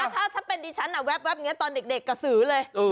ถ้าถ้าเป็นดิฉันอ่ะแว๊บแว๊บเงี้ยตอนเด็กเด็กกระสือเลยอืม